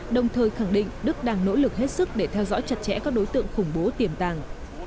đồng thời khẳng định đức đang nỗ lực hết sức để theo dõi chặt chẽ các đối tượng khủng bố tiềm tàng